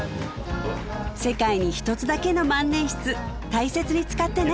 世界に一つだけの万年筆大切に使ってね